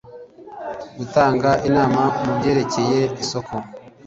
gutanga inama mu byerekeye isoko